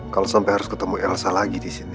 kalo sampai harus ketemu elsa lagi disini